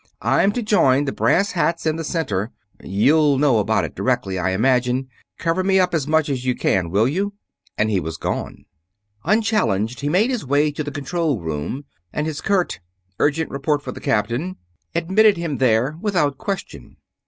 I'm to join the brass hats in the Center. You'll know all about it directly, I imagine. Cover me up as much as you can, will you?" and he was gone. Unchallenged he made his way to the control room, and his curt "urgent report for the Captain" admitted him there without question.